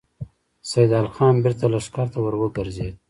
سيدال خان بېرته لښکر ته ور وګرځېد.